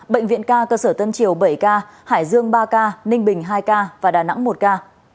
bệnh viện ca cơ sở tân triều bảy ca hải dương ba ca ninh bình hai ca và đà nẵng một ca